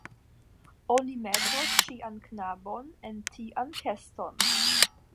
Oni metos ŝian knabon en tian keston.